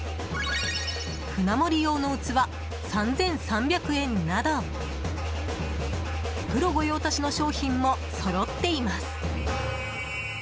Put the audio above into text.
舟盛り用の器、３３００円などプロ御用達の商品もそろっています。